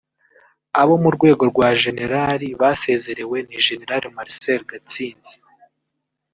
Abo mu rwego rwa Jenerali basezerewe ni Gen Marcel Gatsinzi